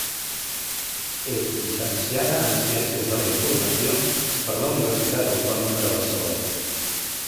És llicenciada en Ciències de la informació per la Universitat Autònoma de Barcelona.